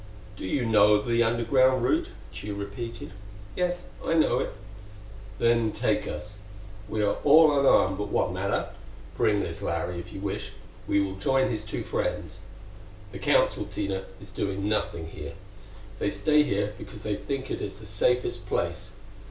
"Do you know the underground route?" Tugh repeated. "Yes, I know it." "Then take us. We are all unarmed, but what matter? Bring this Larry, if you wish; we will join his two friends. The Council, Tina, is doing nothing here. They stay here because they think it is the safest place.